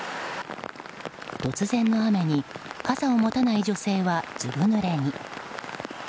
突然の雨に傘を持たない女性はずぶぬれに。